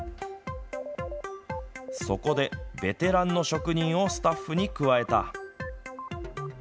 そこでベテランの職人をスタッフに加えた。